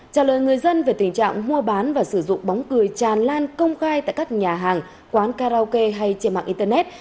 trả lời người dân về tình trạng mua bán và sử dụng bóng cười tràn lan công khai tại các nhà hàng quán karaoke hay trên mạng internet